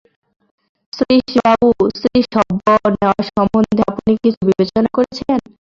শ্রীশবাবু, স্ত্রী-সভ্য নেওয়া সম্বন্ধে আপনি কিছু বিবেচনা করেছেন?